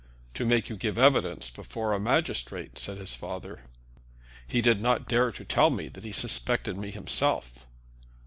"To make you give evidence before a magistrate," said his father. "He did not dare to tell me that he suspected me himself."